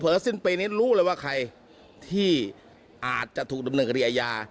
สิ้นปีนี้รู้เลยว่าใครที่อาจจะถูกดำเนินคดีอาญา